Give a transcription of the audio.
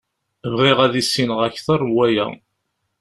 Bɣiɣ ad issineɣ akter n waya.